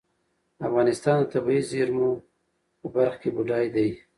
افغانستان د طبیعي زېرمونو په برخه کې بډای دی.